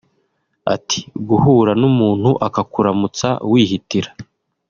Ati “Guhura n’umuntu akakuramutsa wihitira